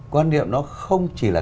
quan niệm nó không chỉ là